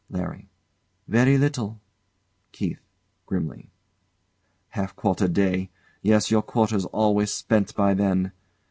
LARRY. Very little. KEITH. [Grimly] Half quarter day yes, your quarter's always spent by then.